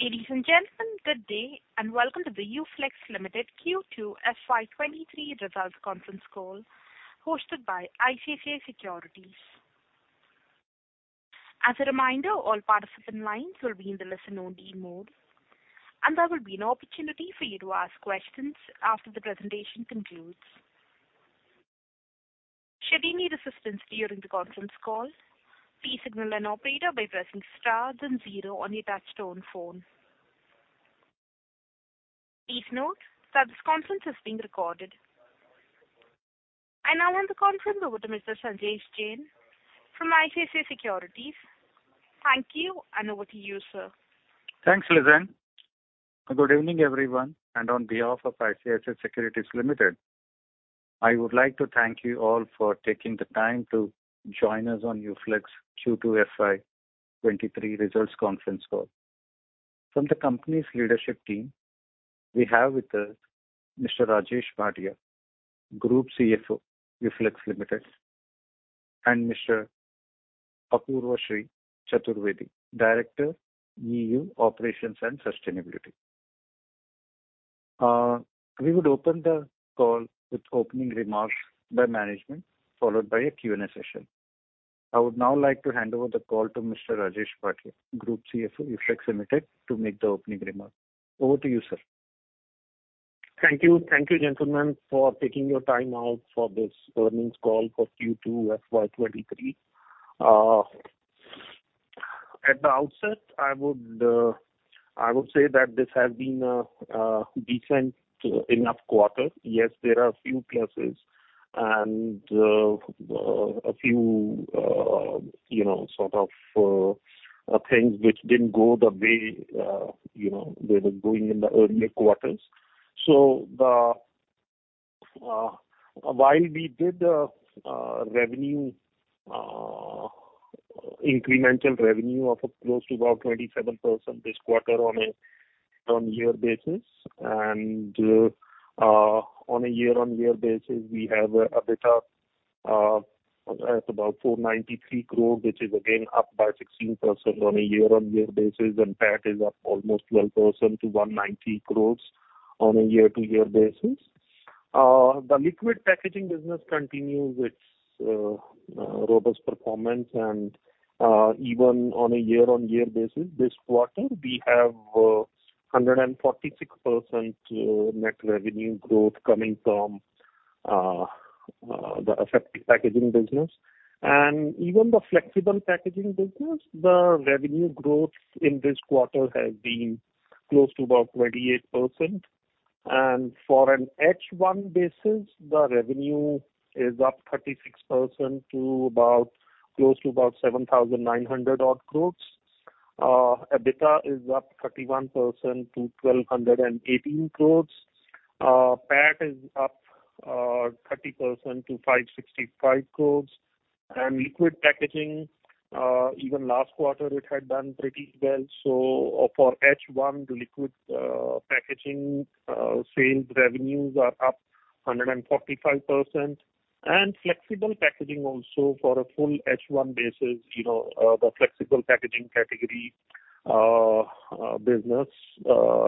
Ladies and gentlemen, good day, and welcome to the UFlex Limited Q2 FY23 results conference call hosted by ICICI Securities. As a reminder, all participant lines will be in the listen-only mode, and there will be an opportunity for you to ask questions after the presentation concludes. Should you need assistance during the conference call, please signal an operator by pressing star then zero on your touchtone phone. Please note that this conference is being recorded. I now hand the conference over to Mr. Sanjesh Jain from ICICI Securities. Thank you, and over to you, sir. Thanks, Lizanne. Good evening, everyone, and on behalf of ICICI Securities Limited, I would like to thank you all for taking the time to join us on UFlex Q2 FY23 results conference call. From the company's leadership team, we have with us Mr. Rajesh Bhatia, Group CFO, UFlex Limited, and Mr. Apoorvshree Chaturvedi, Director, EU Operations and Sustainability. We would open the call with opening remarks by management, followed by a Q&A session. I would now like to hand over the call to Mr. Rajesh Bhatia, Group CFO, UFlex Limited, to make the opening remarks. Over to you, sir. Thank you. Thank you, gentlemen, for taking your time out for this earnings call for Q2 FY23. At the outset, I would say that this has been a decent enough quarter. Yes, there are a few pluses and a few, you know, sort of things which didn't go the way, you know, they were going in the earlier quarters. While we did incremental revenue of close to about 27% this quarter on a year-on-year basis, and on a year-on-year basis, we have EBITDA at about 493 crore, which is again up by 16% on a year-on-year basis, and PAT is up almost 12% to 190 crores on a year-on-year basis. The liquid packaging business continues its robust performance. Even on a year-on-year basis this quarter, we have 146% net revenue growth coming from the aseptic packaging business. Even the flexible packaging business, the revenue growth in this quarter has been close to about 28%. For an H1 basis, the revenue is up 36% to close to about 7,900 crores. EBITDA is up 31% to 1,218 crores. PAT is up 30% to 565 crores. Liquid packaging even last quarter it had done pretty well. For H1, the liquid packaging sales revenues are up 145%. Flexible packaging also for a full H1 basis, you know, the flexible packaging category business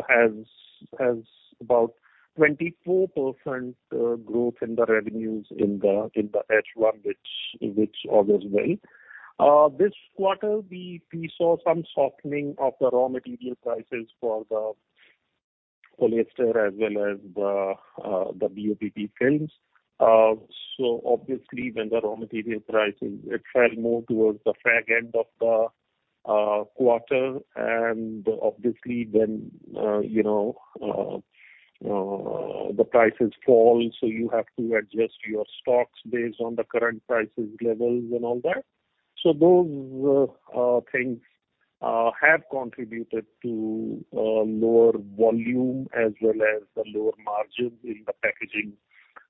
has about 24% growth in the revenues in the H1, which obviously. This quarter we saw some softening of the raw material prices for the polyester as well as the BOPP films. Obviously when the raw material pricing it fell more towards the far end of the quarter. Obviously then, you know, the prices fall, so you have to adjust your stocks based on the current prices levels and all that. Those things have contributed to lower volume as well as the lower margins in the packaging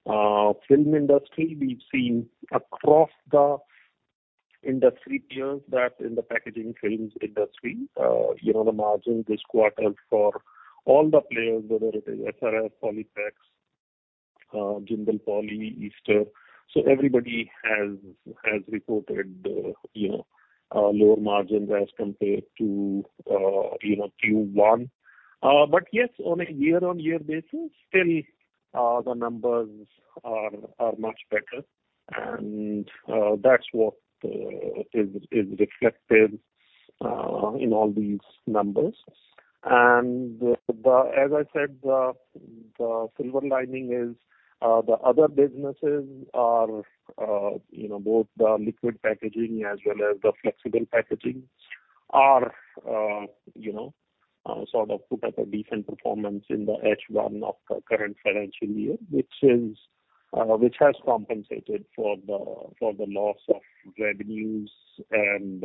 film industry. We've seen across the industry peers that in the packaging films industry, you know, the margins this quarter for all the players, whether it is SRF, Polyplex, Jindal Poly Films, Ester Industries. Everybody has reported, you know, lower margins as compared to, you know, Q1. But yes, on a year-on-year basis, still, the numbers are much better. That's what is reflected in all these numbers. As I said, the silver lining is, the other businesses are, you know, both the liquid packaging as well as the flexible packaging are, you know, sort of put up a decent performance in the H1 of the current financial year, which has compensated for the loss of revenues and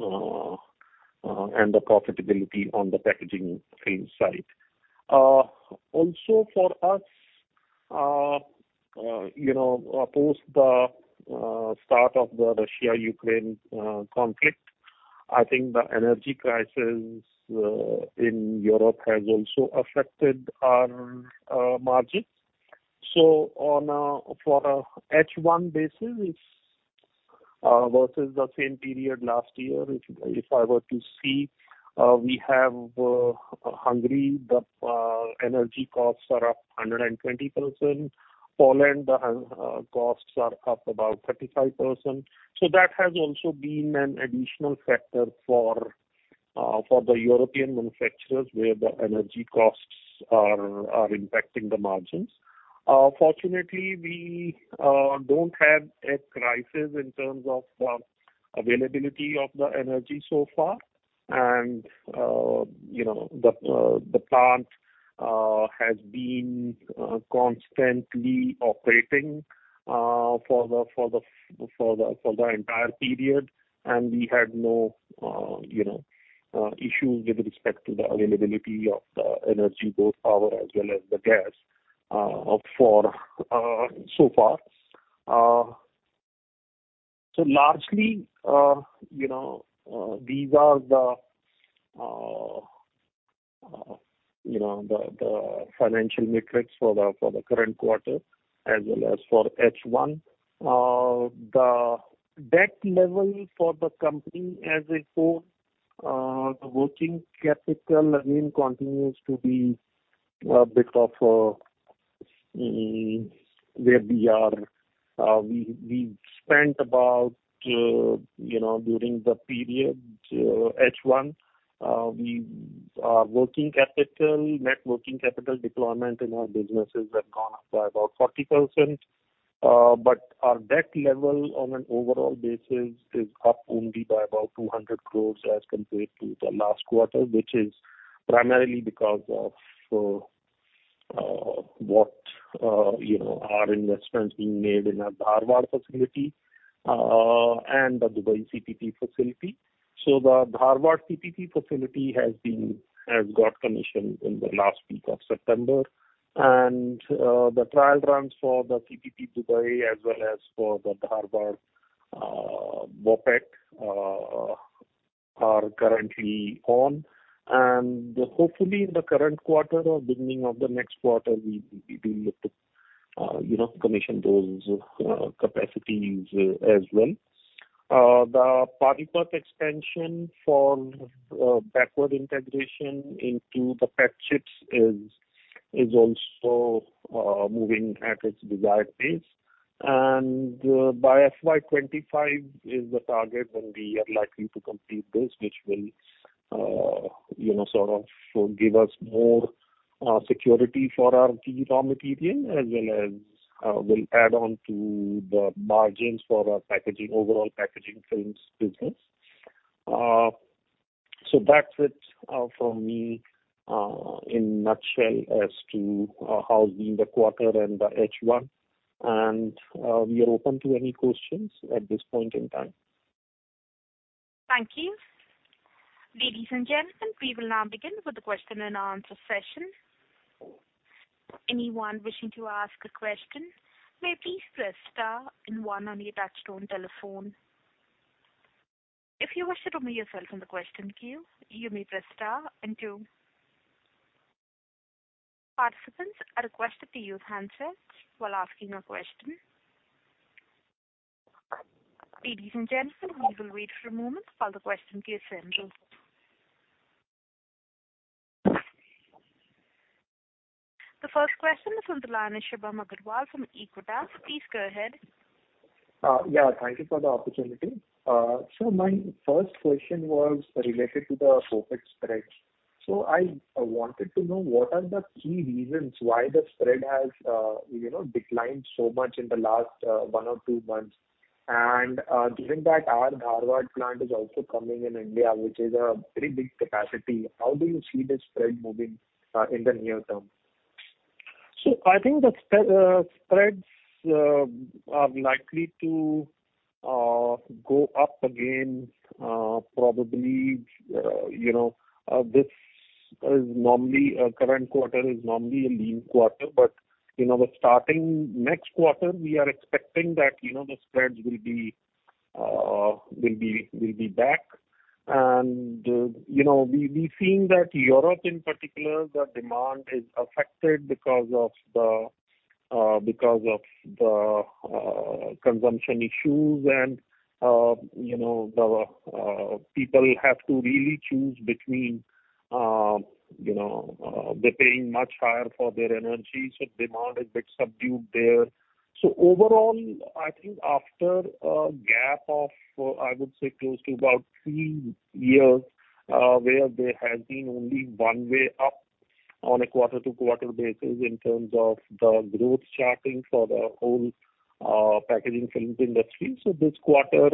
the profitability on the packaging film side. Also for us, you know, post the start of the Russia-Ukraine conflict, I think the energy crisis in Europe has also affected our margins. On a H1 basis, it's versus the same period last year, if I were to see, we have, Hungary, the energy costs are up 120%. Poland, the costs are up about 35%. That has also been an additional factor for the European manufacturers, where the energy costs are impacting the margins. Fortunately, we don't have a crisis in terms of the availability of the energy so far. You know, the plant has been constantly operating for the entire period. We had no, you know, issues with respect to the availability of the energy, both power as well as the gas, so far. Largely, you know, these are the, you know, the financial metrics for the current quarter as well as for H1. The debt level for the company as a whole, the working capital again continues to be a bit of where we are. We spent about, you know, during the period, H1, our working capital, net working capital deployment in our businesses have gone up by about 40%. But our debt level on an overall basis is up only by about 200 crore as compared to the last quarter, which is primarily because of, you know, our investments being made in our Dharwad facility, and the Dubai CPP facility. The Dharwad CPP facility has got commissioned in the last week of September. The trial runs for the CPP Dubai as well as for the Dharwad BOPET are currently on. Hopefully in the current quarter or beginning of the next quarter, we will look to, you know, commission those capacities as well. The Panipat expansion for backward integration into the PET chips is also moving at its desired pace. By FY25 is the target when we are likely to complete this, which will, you know, sort of give us more security for our PET raw material as well as will add on to the margins for our packaging, overall packaging films business. So that's it from me in nutshell as to how's been the quarter and the H1. We are open to any questions at this point in time. Thank you. Ladies and gentlemen, we will now begin with the question and answer session. Anyone wishing to ask a question may please press star and one on your touchtone telephone. If you wish to remove yourself from the question queue, you may press star and two. Participants are requested to use handsets while asking a question. Ladies and gentlemen, we will wait for a moment while the question queue is handled. The first question is from Shubham Agarwal from Aequitas. Please go ahead. Yeah, thank you for the opportunity. My first question was related to the BOPET spreads. I wanted to know what are the key reasons why the spread has, you know, declined so much in the last one or two months. Given that our Dharwad plant is also coming in India, which is a very big capacity, how do you see the spread moving in the near term? I think the spreads are likely to go up again, probably, you know. This current quarter is normally a lean quarter, but, you know, starting next quarter we are expecting that, you know, the spreads will be back. You know, we've seen that Europe in particular, the demand is affected because of the consumption issues and you know, people have to really choose between, you know, they're paying much higher for their energy, so demand is a bit subdued there. Overall, I think after a gap of, I would say, close to about three years, where there has been only one way up on a quarter-to-quarter basis in terms of the growth charting for the whole packaging films industry. This quarter,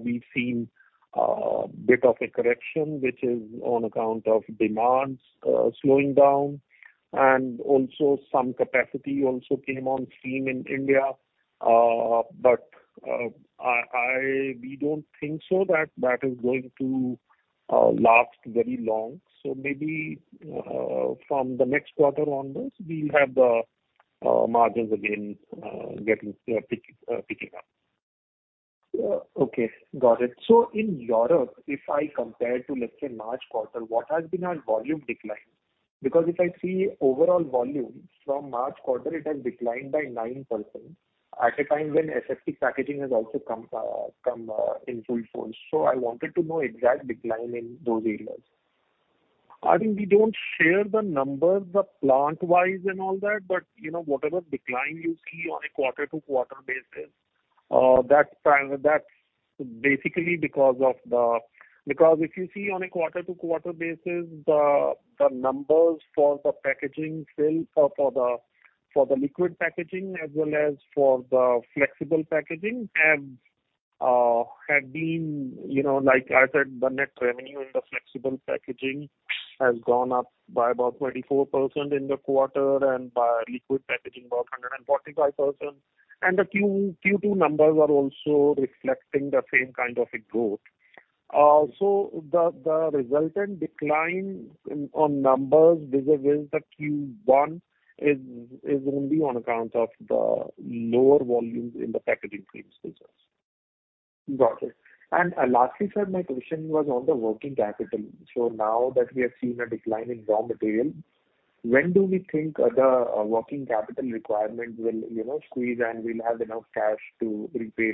we've seen a bit of a correction, which is on account of demand slowing down and also some capacity came on stream in India. We don't think that that is going to last very long. Maybe from the next quarter onwards, we'll have the margins again getting picking up. Okay. Got it. In Europe, if I compare to, let's say, March quarter, what has been our volume decline? Because if I see overall volumes from March quarter, it has declined by 9% at a time when aseptic packaging has also come in full force. I wanted to know exact decline in those areas. I think we don't share the numbers, the plant-wise and all that. You know, whatever decline you see on a quarter-to-quarter basis, that's basically because of the. Because if you see on a quarter-to-quarter basis, the numbers for the packaging film or for the liquid packaging as well as for the flexible packaging have had been, you know, like I said, the net revenue in the flexible packaging has gone up by about 24% in the quarter and by liquid packaging about 145%. The Q2 numbers are also reflecting the same kind of a growth. The resultant decline in numbers vis-a-vis the Q1 is only on account of the lower volumes in the packaging film business. Got it. Lastly, sir, my question was on the working capital. Now that we have seen a decline in raw material, when do we think the working capital requirement will, you know, squeeze and we'll have enough cash to repay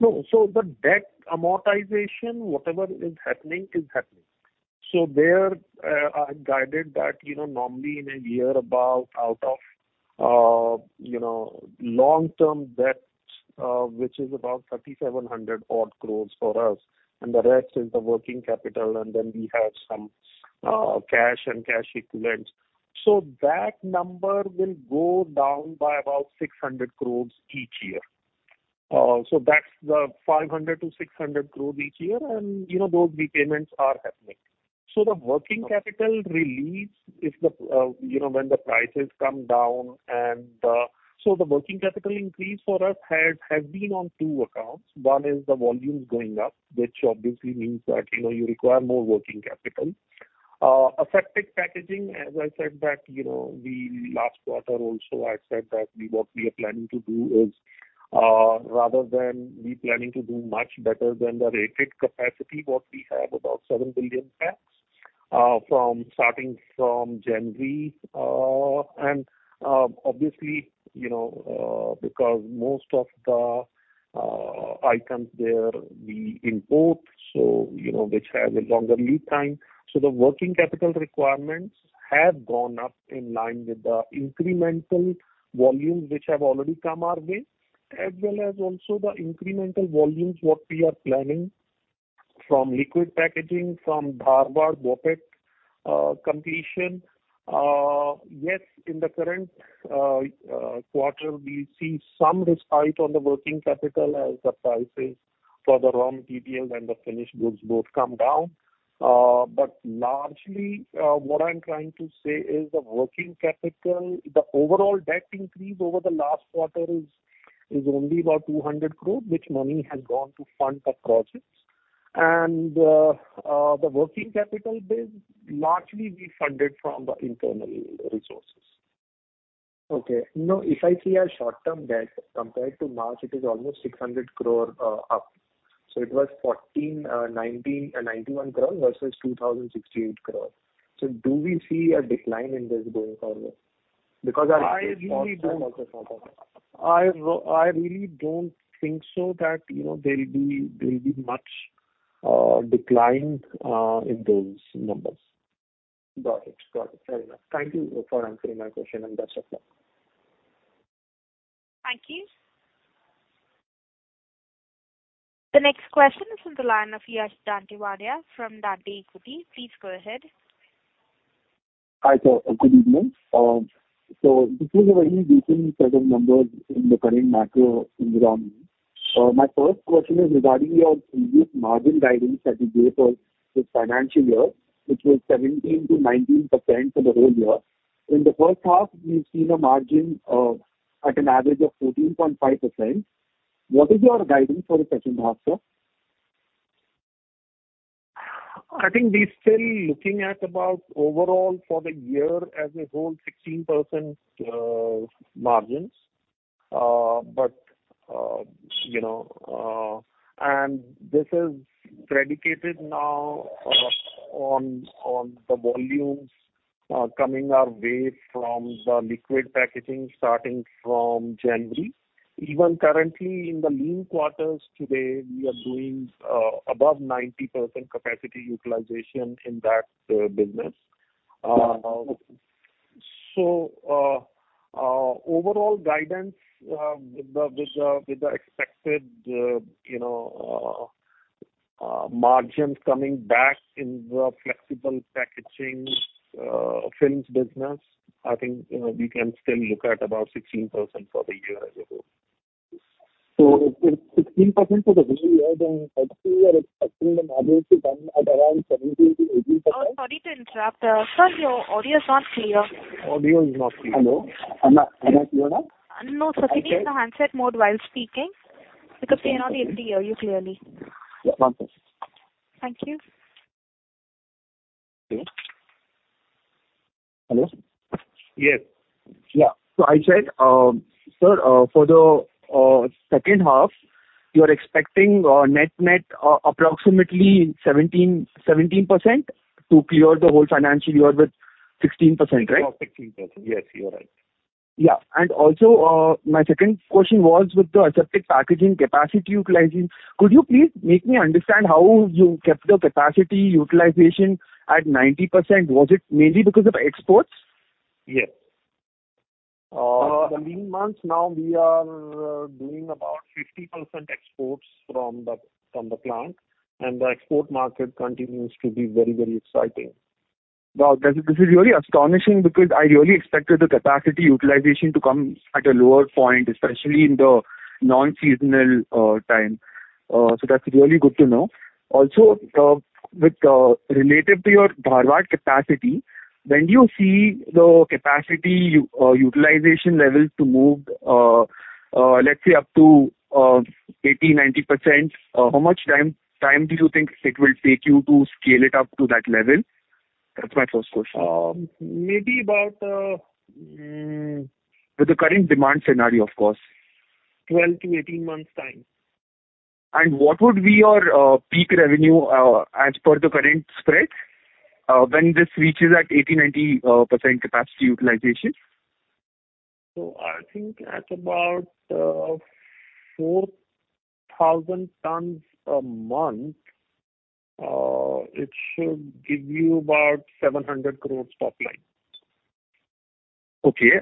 debt? The debt amortization, whatever is happening, is happening. There, I guided that, you know, normally in a year about out of, you know, long-term debt, which is about 3,700 odd crores for us, and the rest is the working capital, and then we have some cash and cash equivalents. That number will go down by about 600 crores each year. That's the 500-600 crore each year. You know, those repayments are happening. The working capital release is, you know, when the prices come down. The working capital increase for us has been on two accounts. One is the volumes going up, which obviously means that, you know, you require more working capital. Aseptic packaging, as I said that, you know, the last quarter also I said that what we are planning to do is, rather than we planning to do much better than the rated capacity, what we have, about 7 billion packs, from starting from January. Obviously, you know, because most of the items there we import, so, you know, which has a longer lead time. The working capital requirements have gone up in line with the incremental volumes which have already come our way, as well as the incremental volumes, what we are planning from liquid packaging, from Dharwad BOPET, completion. Yes, in the current quarter, we see some respite on the working capital as the prices for the raw materials and the finished goods both come down. Largely, what I'm trying to say is the working capital, the overall debt increase over the last quarter is only about 200 crore, which money has gone to fund the projects. The working capital base, largely we funded from the internal resources. Okay. Now, if I see our short-term debt compared to March, it is almost 600 crore up. It was 1,491 crore versus 2,068 crore. Do we see a decline in this going forward? I really don't think so that, you know, there'll be much decline in those numbers. Got it. Fair enough. Thank you for answering my question, and best of luck. Thank you. The next question is from the line of Yash Dantewadia from Dante Equity. Please go ahead. Hi, sir. Good evening. This is a very recent set of numbers in the current macro environment. My first question is regarding your previous margin guidance that you gave for this financial year, which was 17%-19% for the whole year. In the first half we've seen a margin of at an average of 14.5%. What is your guidance for the second half, sir? I think we're still looking at about overall for the year as a whole 16% margins. You know, this is predicated now on the volumes coming our way from the liquid packaging starting from January. Even currently in the lean quarters today, we are doing above 90% capacity utilization in that business. Overall guidance with the expected you know margins coming back in the flexible packaging films business, I think you know we can still look at about 16% for the year as a whole. If it's 16% for the whole year, then actually you are expecting the margin to come at around 17%-18%. Sorry to interrupt. Sir, your audio is not clear. Audio is not clear. Hello. Am I clear now? No, sir. Can you use the handset mode while speaking? Because we are not able to hear you clearly. Yeah. One second. Thank you. Okay. Hello. Yes. Yeah. I said, sir, for the second half you are expecting net net approximately 17% to clear the whole financial year with 16%, right? About 16%. Yes, you are right. Yeah, my second question was with the aseptic packaging capacity utilization. Could you please make me understand how you kept the capacity utilization at 90%? Was it mainly because of exports? Yes. The lean months now we are doing about 50% exports from the plant, and the export market continues to be very, very exciting. Wow. That's this is really astonishing because I really expected the capacity utilization to come at a lower point, especially in the non-seasonal time. that's really good to know. Also, with related to your Bharuch capacity, when do you see the capacity utilization levels to move, let's say up to 80%-90%? how much time do you think it will take you to scale it up to that level? That's my first question. Maybe about. With the current demand scenario, of course. 12-18 months' time. What would be your peak revenue as per the current spread when this reaches at 80-90% capacity utilization? I think at about 4,000 tons a month, it should give you about 700 crores top line. Okay.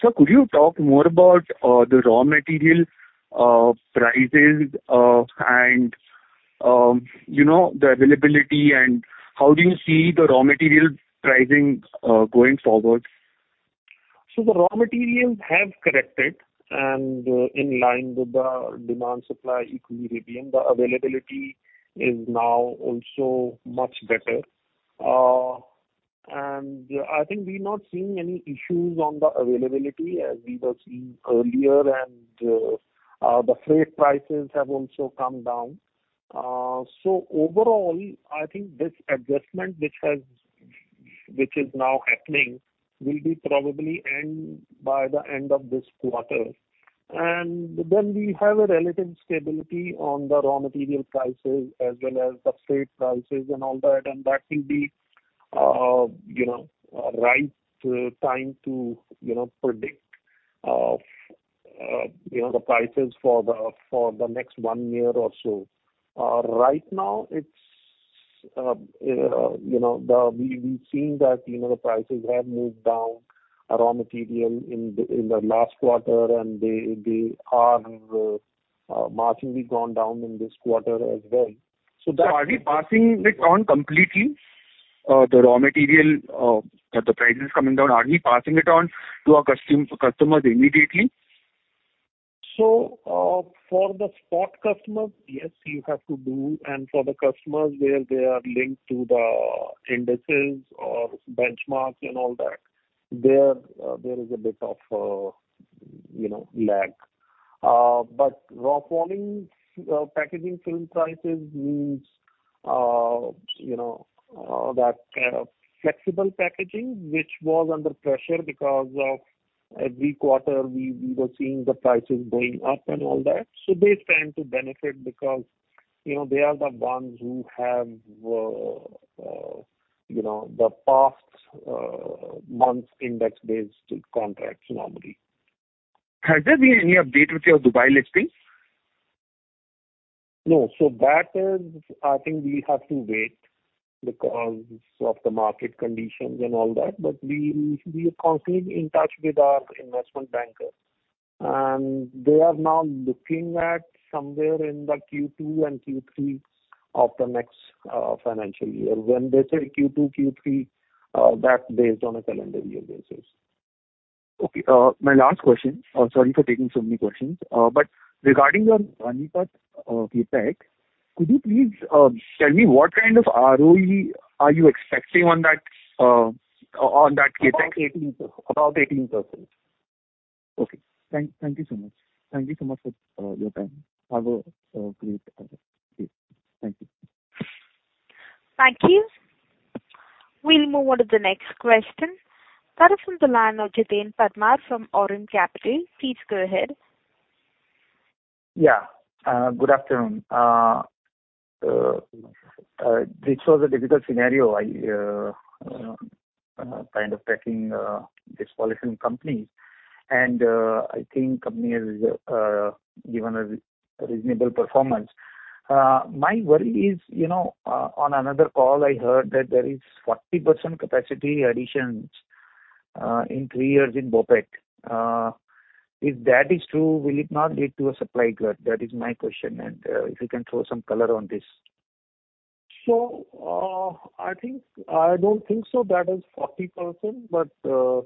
Sir, could you talk more about the raw material prices and, you know, the availability and how do you see the raw material pricing going forward? The raw materials have corrected and in line with the demand-supply equilibrium. The availability is now also much better. I think we're not seeing any issues on the availability as we were seeing earlier and the freight prices have also come down. Overall I think this adjustment which is now happening will probably end by the end of this quarter. Then we have a relative stability on the raw material prices as well as the freight prices and all that. That will be you know a right time to you know predict you know the prices for the next one year or so. Right now it's you know the We've seen that, you know, the prices have moved down, raw material in the last quarter and they are marginally gone down in this quarter as well. So that- Are we passing it on completely? The raw material prices coming down, are we passing it on to our customers immediately? For the spot customers, yes, you have to do. For the customers where they are linked to the indices or benchmarks and all that, there is a bit of, you know, lag. Falling packaging film prices means, you know, that flexible packaging which was under pressure because every quarter we were seeing the prices going up and all that. They stand to benefit because, you know, they are the ones who have, you know, the past month index-based contracts normally. Has there been any update with your Dubai listing? No. That is, I think we have to wait because of the market conditions and all that. We are constantly in touch with our investment bankers, and they are now looking at somewhere in the Q2 and Q3 of the next financial year. When they say Q2, Q3, that's based on a calendar year basis. Okay. My last question. Sorry for taking so many questions. Regarding your Panipat CapEx, could you please tell me what kind of ROE are you expecting on that CapEx? About 18%. Okay. Thank you so much. Thank you so much for your time. Have a great day. Thank you. Thank you. We'll move on to the next question. That is from the line of Jiten Parmar from Aurum Capital. Please go ahead. Yeah. Good afternoon. This was a difficult scenario I am kind of tracking this polyfilm company and I think company has given a reasonable performance. My worry is, you know, on another call I heard that there is 40% capacity additions in three years in BOPET. If that is true, will it not lead to a supply glut? That is my question, and if you can throw some color on this. I think I don't think so that is 40%.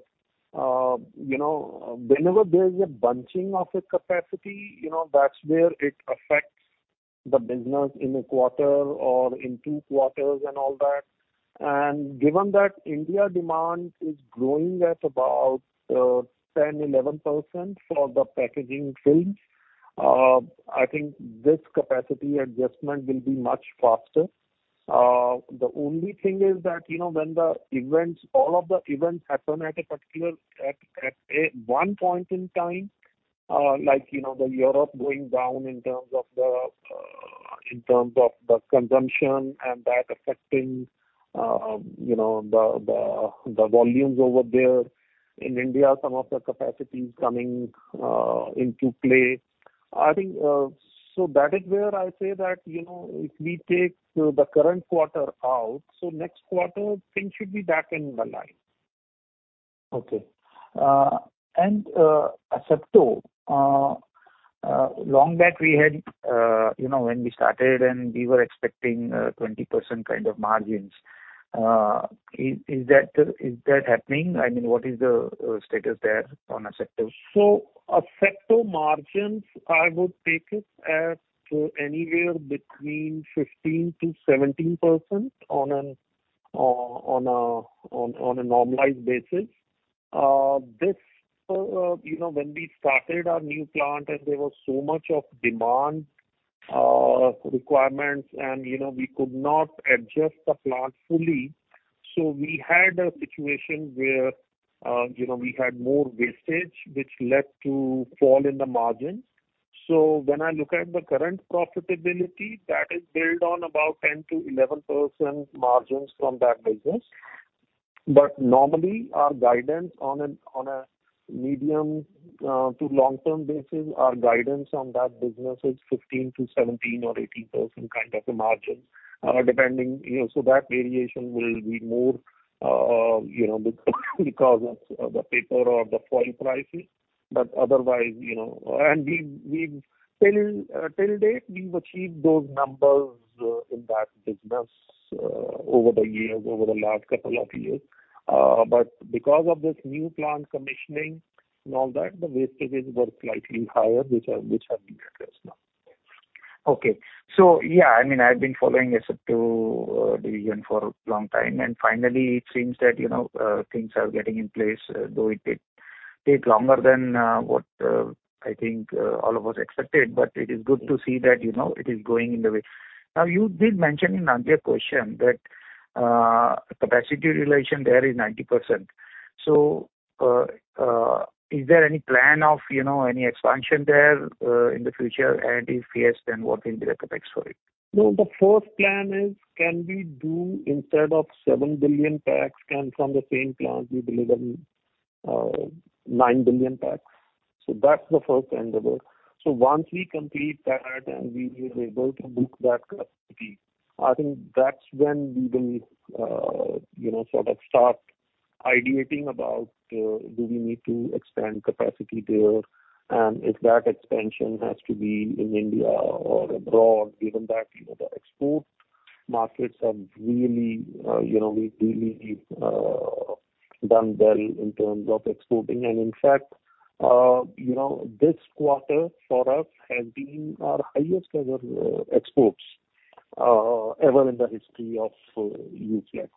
You know, whenever there's a bunching of a capacity, you know, that's where it affects the business in a quarter or in two quarters and all that. Given that Indian demand is growing at about 10%-11% for the packaging films, I think this capacity adjustment will be much faster. The only thing is that, you know, when the events, all of the events happen at a particular at a one point in time, like, you know, Europe going down in terms of the in terms of the consumption and that affecting, you know, the volumes over there. In India, some of the capacity is coming into play. I think, so that is where I say that, you know, if we take the current quarter out, so next quarter things should be back in line. Okay. Asepto, long back we had, you know, when we started and we were expecting 20% kind of margins. Is that happening? I mean, what is the status there on Asepto? Asepto margins, I would take it as anywhere between 15%-17% on a normalized basis. This, you know, when we started our new plant and there was so much demand requirements and, you know, we could not adjust the plant fully, so we had a situation where, you know, we had more wastage which led to fall in the margin. When I look at the current profitability, that is built on about 10%-11% margins from that business. But normally our guidance on a medium to long-term basis, our guidance on that business is 15%-17% or 18% kind of a margin, depending, you know. That variation will be more, you know, because of the paper or the foil prices. Otherwise, you know, we've till date achieved those numbers in that business over the years, over the last couple of years. Because of this new plant commissioning and all that, the wastage was slightly higher, which have been addressed now. Okay. Yeah, I mean, I've been following Asepto division for a long time, and finally it seems that, you know, things are getting in place, though it did take longer than what I think all of us expected. It is good to see that, you know, it is going in the way. Now, you did mention in earlier question that capacity utilization there is 90%. Is there any plan of any expansion there in the future? And if yes, then what will be the CapEx for it? No, the first plan is, instead of 7 billion packs, can we from the same plant deliver 9 billion packs. That's the first endeavor. Once we complete that and we will be able to book that capacity, I think that's when we will, you know, sort of start ideating about, do we need to expand capacity there, and if that expansion has to be in India or abroad, given that, you know, the export markets have really, you know, we've really done well in terms of exporting. In fact, you know, this quarter for us has been our highest ever exports ever in the history of UFlex.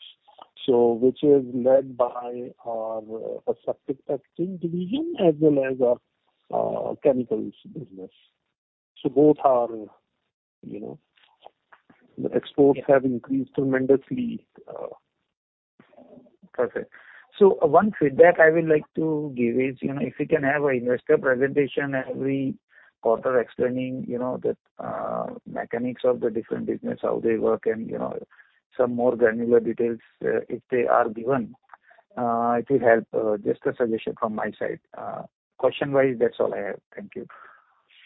Which is led by our Asepto packaging division as well as our chemicals business. Both are, you know, the exports have increased tremendously. Perfect. One feedback I would like to give is, you know, if you can have a investor presentation every quarter explaining, you know, the mechanics of the different business, how they work and, you know, some more granular details, if they are given, it will help. Just a suggestion from my side. Question-wise, that's all I have. Thank you.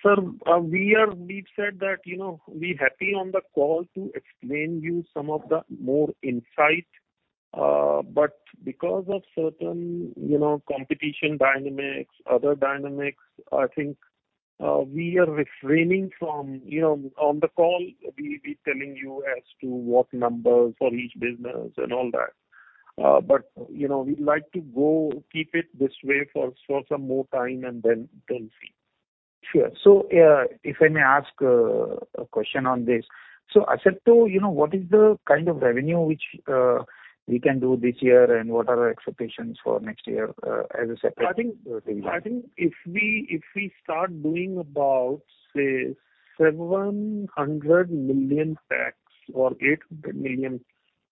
Sir, we've said that, you know, we're happy on the call to explain to you some more insights. Because of certain, you know, competition dynamics, other dynamics, I think, we are refraining from, you know, on the call telling you as to what numbers for each business and all that. You know, we'd like to keep it this way for some more time and then see. Sure. If I may ask a question on this. Asepto, you know, what is the kind of revenue which we can do this year and what are our expectations for next year, as a separate- I think- -division. I think if we start doing about, say, 700 million packs or 800 million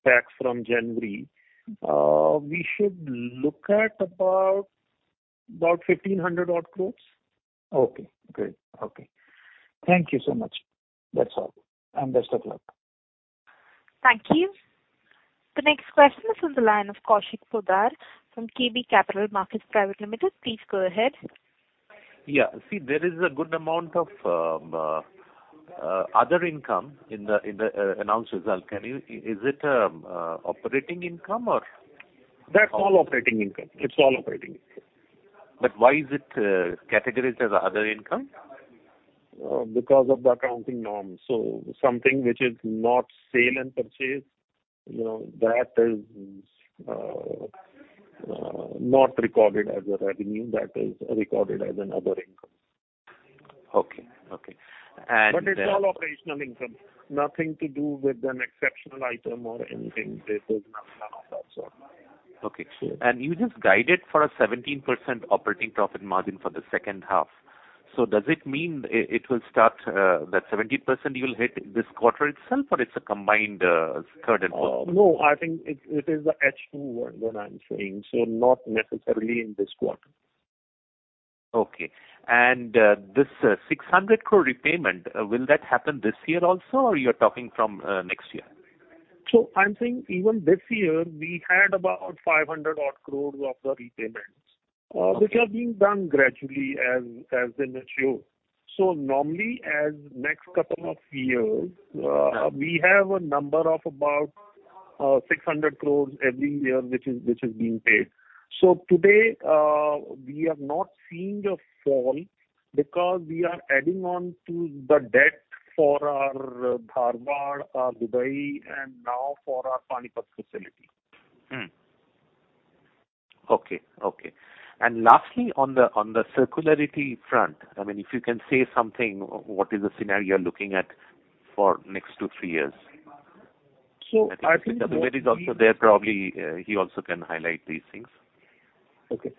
packs from January, we should look at about 1,500-odd crore. Okay, great. Okay. Thank you so much. That's all. Best of luck. Thank you. The next question is on the line of Kaushik Poddar from KB Capital Markets Private Limited. Please go ahead. Yeah. See, there is a good amount of other income in the announced result. Is it operating income or That's all operating income. It's all operating income. Why is it categorized as other income? Because of the accounting norms. Something which is not sale and purchase, you know, that is not recorded as a revenue. That is recorded as an other income. Okay. It's all operational income. Nothing to do with an exceptional item or anything. There's none of that sort. Okay. You just guided for a 17% operating profit margin for the second half. Does it mean it will start, that 17% you'll hit this quarter itself or it's a combined, third and fourth? No, I think it is the H2 one that I'm saying, so not necessarily in this quarter. Okay. This 600 crore repayment, will that happen this year also or you're talking from next year? I'm saying even this year we had about 500 odd crore of the repayments. Okay. Which are being done gradually as they mature. Normally in the next couple of years, we have a number of about 600 crore every year which is being paid. Today, we have not seen a fall because we are adding on to the debt for our Dharwad, Dubai, and now for our Panipat facility. Lastly on the circularity front, I mean, if you can say something, what is the scenario you're looking at for the next two to three years? I think what we- I think Chaturvedi is also there probably. He also can highlight these things. I think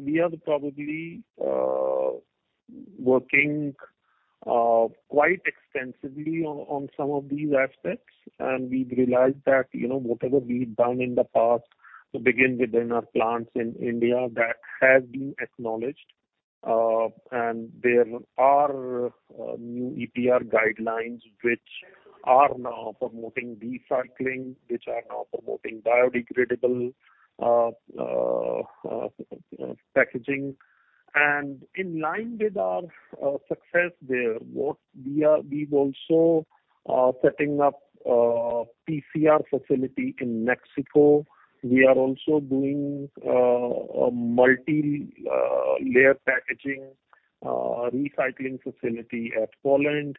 we are probably working quite extensively on some of these aspects, and we've realized that, you know, whatever we've done in the past, to begin with in our plants in India, that has been acknowledged. There are new EPR guidelines which are now promoting recycling, which are now promoting biodegradable packaging. In line with our success there, we are also setting up PCR facility in Mexico. We are also doing a multi-layer packaging recycling facility at Poland.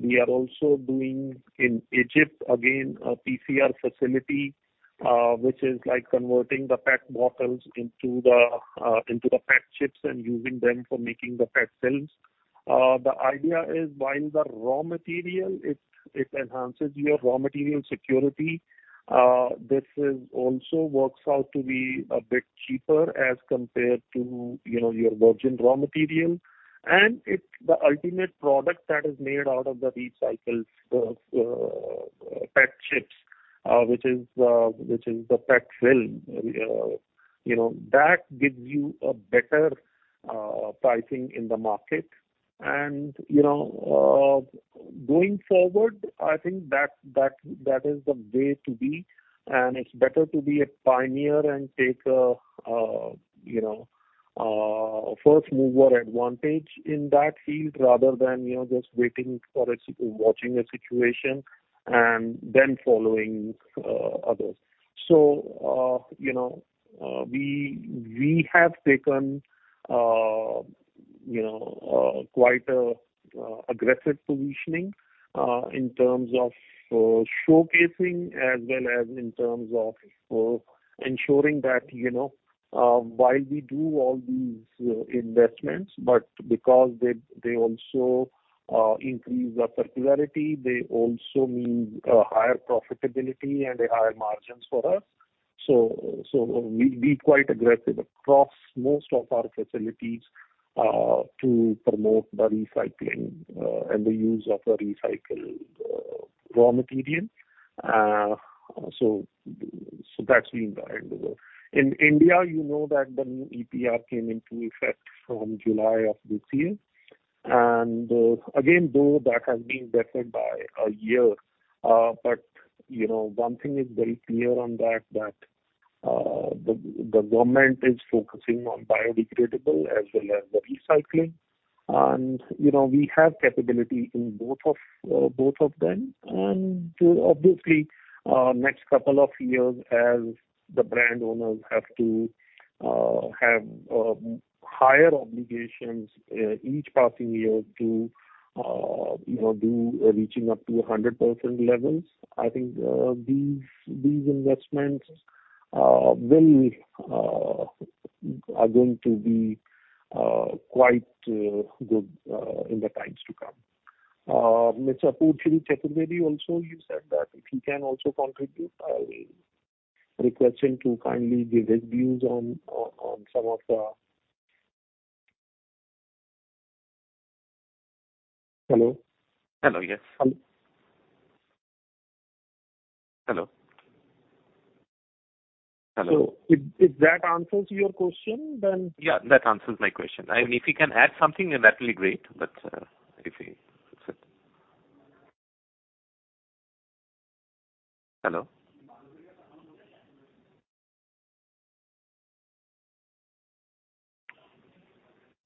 We are also doing in Egypt, again, a PCR facility, which is like converting the PET bottles into the PET chips and using them for making the PET films. The idea is while the raw material it enhances your raw material security, this also works out to be a bit cheaper as compared to, you know, your virgin raw material. It's the ultimate product that is made out of the recycled PET chips, which is the PET film. You know, that gives you a better pricing in the market. You know, going forward, I think that is the way to be, and it's better to be a pioneer and take a, you know, a first mover advantage in that field rather than, you know, just waiting, watching a situation and then following others. You know, we have taken, you know, quite aggressive positioning in terms of showcasing as well as in terms of ensuring that, you know, while we do all these investments, but because they also increase the circularity, they also mean a higher profitability and higher margins for us. We're quite aggressive across most of our facilities to promote the recycling and the use of the recycled raw material. That's been the end result. In India you know that the new EPR came into effect from July of this year. Again, though that has been deferred by a year, but you know one thing is very clear on that the government is focusing on biodegradable as well as the recycling. You know, we have capability in both of them. Obviously, next couple of years as the brand owners have to have higher obligations each passing year to you know reaching up to 100% levels. I think these investments are going to be quite good in the times to come. Mr. Apoorvshree Chaturvedi also is here that if he can also contribute, I will request him to kindly give his views on some of the. Hello? Hello. Yes. Hello. Hello. If that answers your question, then. Yeah, that answers my question. I mean, if you can add something then that'll be great. That's it. Hello?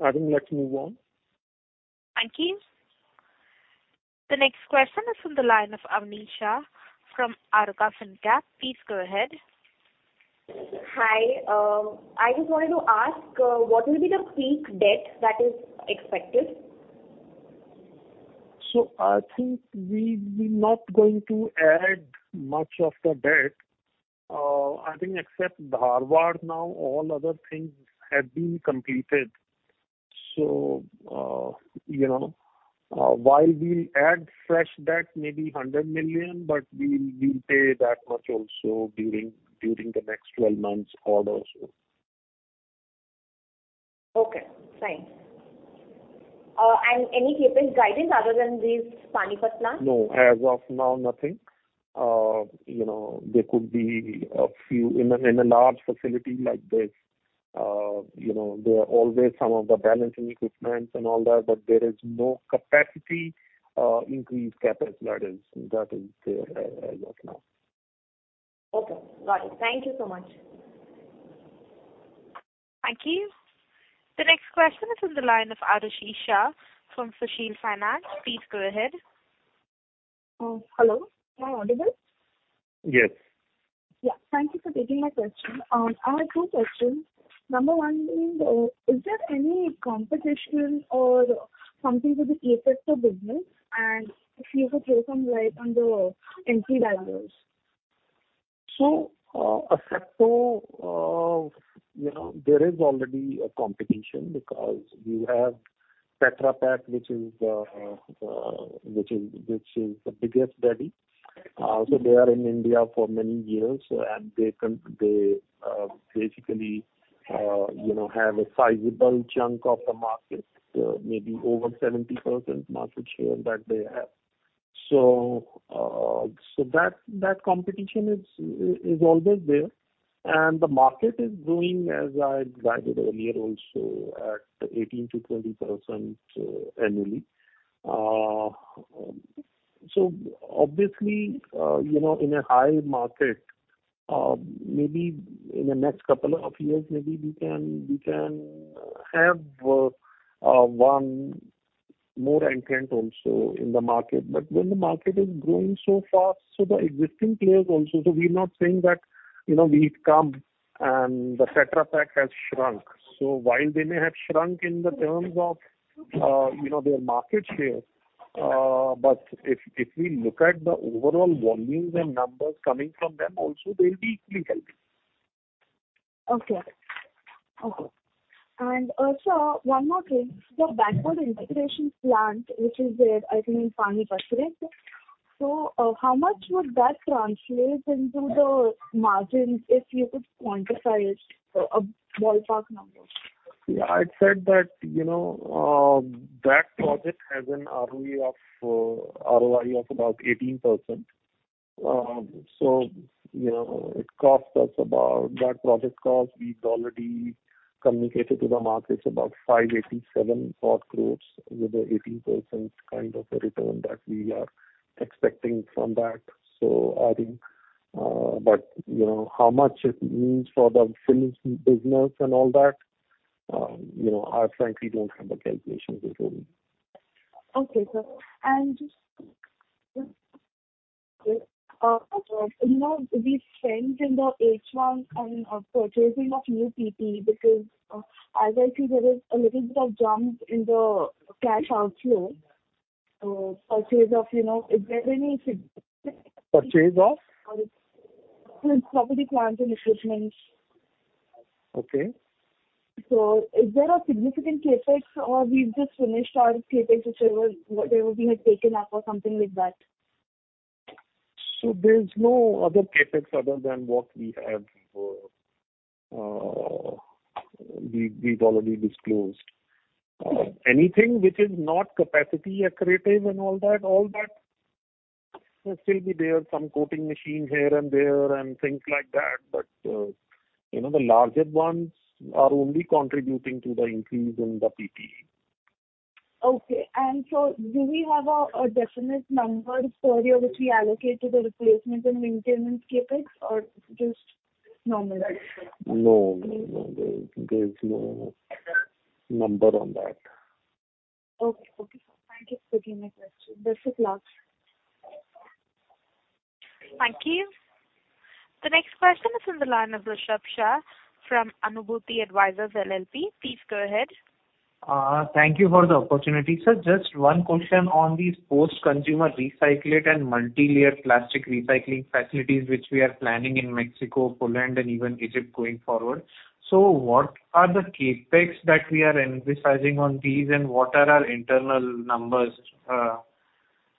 I think let's move on. Thank you. The next question is from the line of Avni Shah from Arka FinCap. Please go ahead. Hi. I just wanted to ask, what will be the peak debt that is expected? I think we'll be not going to add much of the debt. I think except Dharwad now all other things have been completed. You know, while we add fresh debt, maybe 100 million, but we'll pay that much also during the next 12 months or so. Okay, fine. Any CapEx guidance other than this Panipat plant? No. As of now, nothing. You know, there could be a few. In a large facility like this, you know, there are always some of the balancing equipment and all that, but there is no capacity increased CapEx that is there as of now. Okay, got it. Thank you so much. Thank you. The next question is on the line of Adarsh Isha from Sushil Finance. Please go ahead. Hello, am I audible? Yes. Yeah. Thank you for taking my question. I have two questions. Number one being, is there any competition or something to the Asepto business? If you could throw some light on the entry barriers. Asepto, you know, there is already a competition because you have Tetra Pak, which is the biggest daddy. They are in India for many years, and they basically, you know, have a sizable chunk of the market, maybe over 70% market share that they have. That competition is always there. The market is growing, as I guided earlier also, at 18%-20% annually. Obviously, you know, in a high market, maybe in the next couple of years, maybe we can have one more entrant also in the market. When the market is growing so fast, the existing players also. We're not saying that, you know, we've come and the Tetra Pak has shrunk. While they may have shrunk in terms of, you know, their market share, but if we look at the overall volumes and numbers coming from them also, they'll be equally happy. Okay. Sir, one more thing. The backward integration plant, which is there, I think in Panipat, right? How much would that translate into the margins, if you could quantify it, a ballpark number? Yeah. I'd said that, you know, that project has an ROE of, ROI of about 18%. You know, it cost us about... That project cost, we've already communicated to the markets about 587 crore with a 18% kind of a return that we are expecting from that. I think, but you know how much it means for the finished business and all that, you know, I frankly don't have the calculations with me. Okay, sir. Just, you know, we spent in the H1 on purchasing of new PPE because, as I see, there is a little bit of jump in the cash outflow. Purchase of, you know, is there any- Purchase of? Property, plant and equipment. Okay. Is there a significant CapEx or we've just finished our CapEx, whichever, whatever we had taken up or something like that? There's no other CapEx other than what we have; we've already disclosed. Anything which is not capacity accretive and all that will still be there, some coating machine here and there and things like that. You know, the larger ones are only contributing to the increase in the PPE. Do we have a definite number per year which we allocate to the replacement and maintenance CapEx or just normal allocation? No, no. There's no number on that. Okay, sir. Thank you for taking my question. This is last. Thank you. The next question is on the line of Rushabh Shah from Anubhuti Advisors LLP. Please go ahead. Thank you for the opportunity. Sir, just one question on these post-consumer recyclate and multi-layer plastic recycling facilities which we are planning in Mexico, Poland and even Egypt going forward. What are the CapEx that we are emphasizing on these and what are our internal numbers,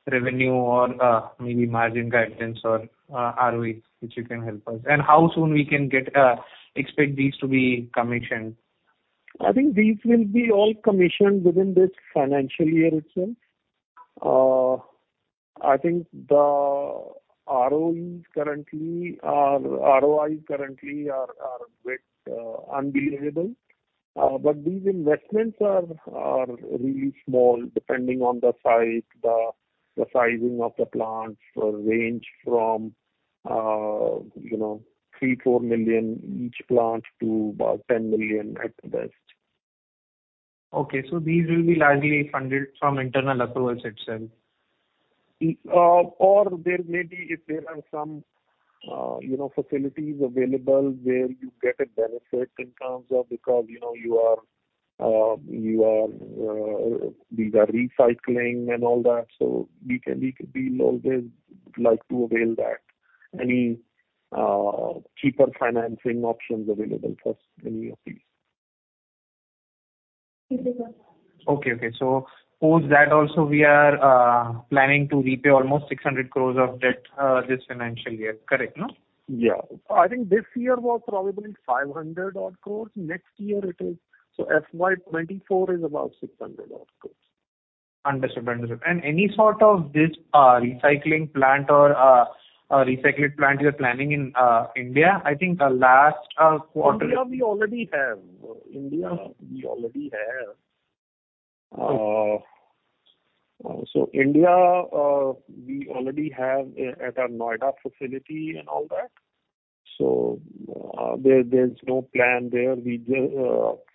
revenue or maybe margin guidance or ROEs which you can help us? How soon can we expect these to be commissioned? I think these will be all commissioned within this financial year itself. I think the ROIs currently are a bit unbelievable. These investments are really small, depending on the size. The sizing of the plants range from you know $3-$4 million each plant to about $10 million at best. Okay. These will be largely funded from internal accruals itself. There may be, if there are some, you know, facilities available where you get a benefit in terms of, because, you know, these are recycling and all that, so we always like to avail that. Any cheaper financing options available for any of these? Post that also we are planning to repay almost 600 crores of debt this financial year, correct, no? Yeah. I think this year was probably 500 odd crores. Next year it is. FY24 is about 600 odd crores. Understood. Any sort of this recycling plant or recycled plant you're planning in India? I think the last quarter- India we already have at our Noida facility and all that. There's no plan there. We just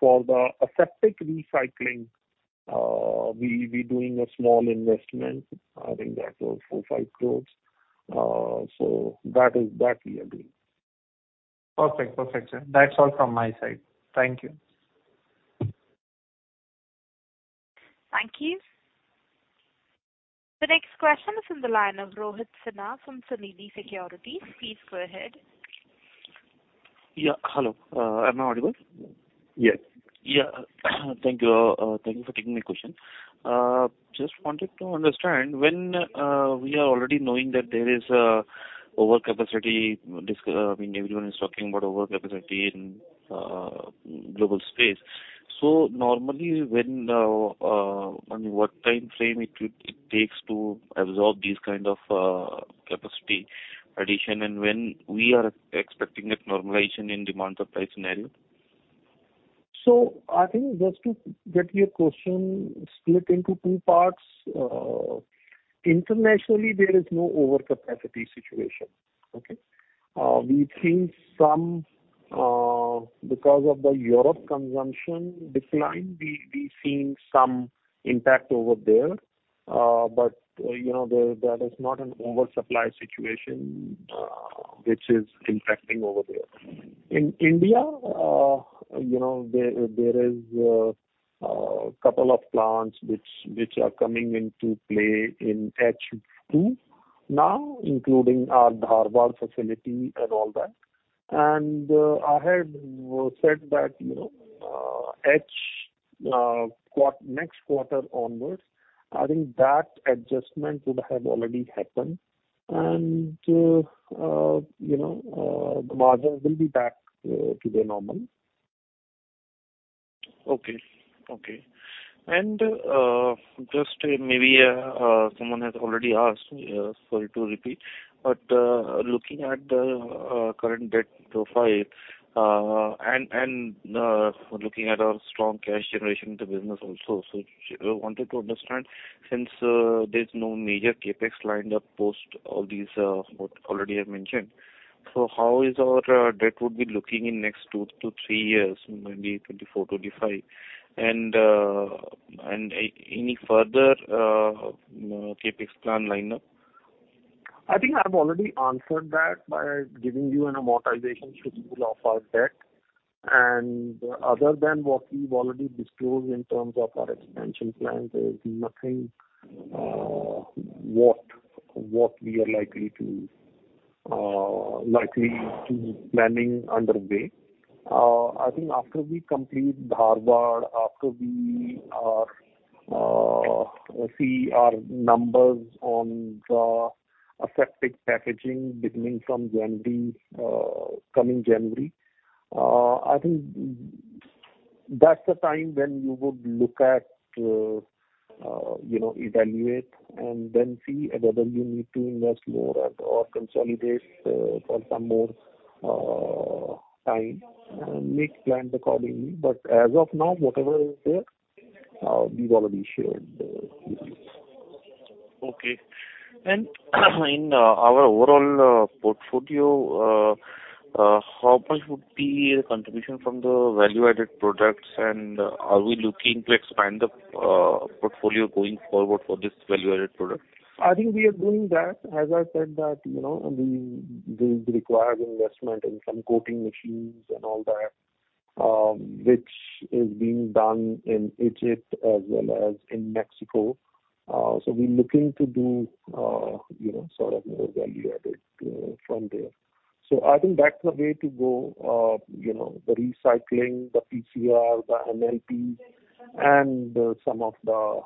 for the aseptic recycling we're doing a small investment. I think that's INR 4-5 crores. That is what we are doing. Perfect, sir. That's all from my side. Thank you. Thank you. The next question is on the line of Rohit Sinha from Sunidhi Securities. Please go ahead. Yeah, hello. Am I audible? Yes. Yeah. Thank you. Thank you for taking my question. Just wanted to understand when we are already knowing that there is overcapacity. I mean everyone is talking about overcapacity in global space. Normally, I mean, what time frame it takes to absorb these kind of capacity addition and when we are expecting a normalization in demand-supply scenario? I think just to get your question split into two parts. Internationally there is no overcapacity situation. We've seen some because of the European consumption decline, we've seen some impact over there. But you know there that is not an oversupply situation which is impacting over there. In India you know there is a couple of plants which are coming into play in H2 now, including our Dharwad facility and all that. I had said that you know next quarter onwards, I think that adjustment would have already happened and you know the margins will be back to their normal. Okay. Just maybe someone has already asked, sorry to repeat, but looking at the current debt profile and looking at our strong cash generation, the business also. Just wanted to understand, since there's no major CapEx lined up post all these what already I mentioned. How is our debt would be looking in next two to three years, maybe 2024, 2025? Any further CapEx plan lineup? I think I've already answered that by giving you an amortization schedule of our debt. Other than what we've already disclosed in terms of our expansion plans, there's nothing we are likely planning underway. I think after we complete Dharwad, we see our numbers on the aseptic packaging beginning from January, coming January. I think that's the time when you would look at, you know, evaluate and then see whether you need to invest more at or consolidate for some more time and make plans accordingly. As of now, whatever is there, we've already shared with you. Okay. In our overall portfolio, how much would be the contribution from the value-added products and are we looking to expand the portfolio going forward for this value-added product? I think we are doing that. As I said that, you know, we, this requires investment in some coating machines and all that, which is being done in Egypt as well as in Mexico. We're looking to do, you know, sort of more value-added, from there. I think that's the way to go. You know, the recycling, the PCR, the MLP and some of the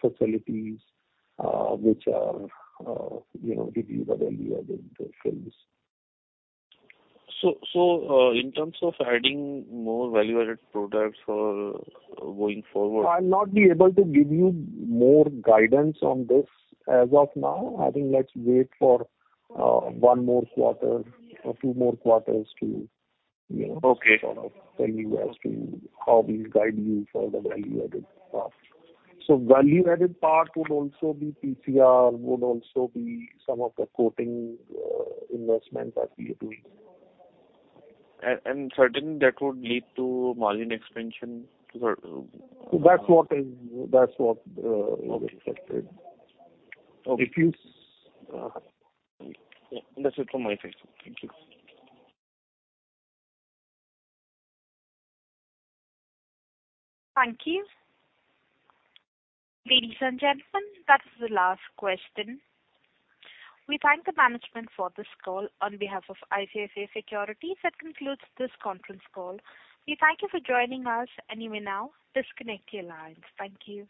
facilities, which are, you know, give you the value-added sales. in terms of adding more value-added products for going forward. I'll not be able to give you more guidance on this as of now. I think let's wait for one more quarter or two more quarters to, you know. Okay. W'ell tell you as to how we guide you for the value-added part. Value-added part would also be PCR, would also be some of the coating, investment that we are doing. Certainly that would lead to margin expansion to the- That's what we expected. Okay.That's it from my side. Thank you. Thank you. Ladies and gentlemen, that's the last question. We thank the management for this call on behalf of ICICI Securities. That concludes this conference call. We thank you for joining us, and you may now disconnect your lines. Thank you.